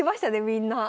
みんな。